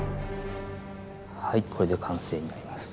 はいこれで完成になります。